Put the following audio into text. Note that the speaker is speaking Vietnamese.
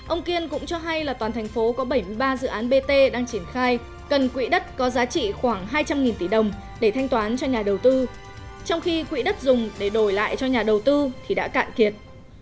ông kiên cũng cho hay là toàn thành phố có bảy mươi ba dự án bt đang triển khai cần quỹ đất có giá trị khoảng hai trăm linh tỷ đồng để thanh toán cho nhà đầu tư trong khi quỹ đất dùng để đổi lại cho nhà đầu tư thì đã cạn kiệt